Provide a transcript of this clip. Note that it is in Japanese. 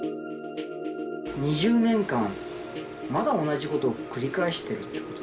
２０年間、まだ同じことを繰り返しているということ。